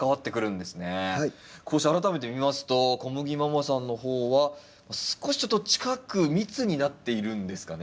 こうして改めて見ますとこむぎママさんの方は少しちょっと近く密になっているんですかね？